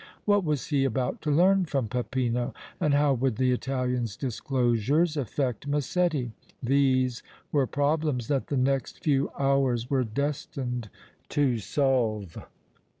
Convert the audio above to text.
What was he about to learn from Peppino, and how would the Italian's disclosures affect Massetti? These were problems that the next few hours were destined to solve.